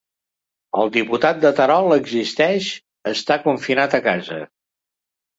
El diputat de Terol Existeix està confinat a casa